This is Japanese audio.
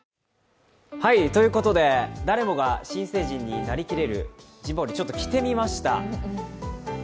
ということで、誰もが新成人になりきれる陣羽織、ちょっと着てみました。